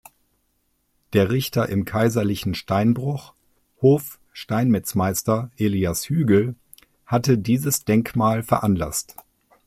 Der Richter im kaiserlichen Steinbruch, Hof-Steinmetzmeister Elias Hügel, hatte dieses Denkmal veranlasst.